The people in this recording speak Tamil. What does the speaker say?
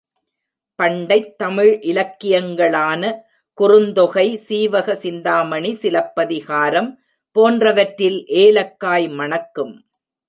பண்டைத்தமிழ் இலக்கியங்களான குறுந்தொகை, சீவக சிந்தாமணி, சிலப்பதிகாரம் போன்றவற்றில் ஏலக்காய் மணக்கும்.